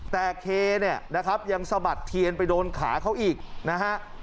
แต่เคร้อยังสะบัดเทียนไปโดนขาเขาอีกนะฮะ